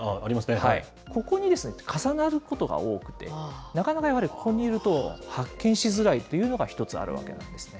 ここにですね、重なることが多くて、なかなかやはり、ここにいると発見しづらいというのが一つあるわけなんですね。